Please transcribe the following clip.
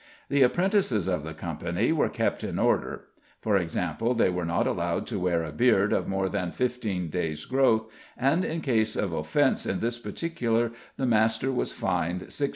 The apprentices of the Company were kept in order. For example, they were not allowed to wear a beard of more than fifteen days' growth, and in case of offence in this particular the master was fined 6s.